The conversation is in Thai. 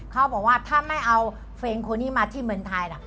เขาบอกว่าถ้าไม่เอาเพลงคนนี้มาที่เมืองไทยล่ะ